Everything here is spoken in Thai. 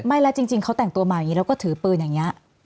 ไม่แล้วจริงเขาแต่งตัวมาอย่างนี้แล้วก็ถือปืนอย่างนี้